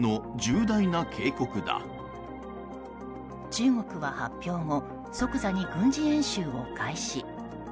中国は発表後即座に軍事演習を開始。